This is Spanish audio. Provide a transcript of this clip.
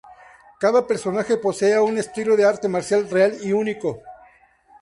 Cada personaje poseía un estilo de arte marcial real y único.